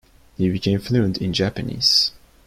He became fluent in Japanese.